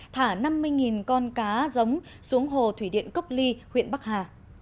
thả năm mươi con cá giống xuống hồ thủy điện cốc ly huyện bắc hà